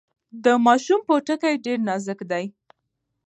د ماشوم پوټکی ډیر نازک دی۔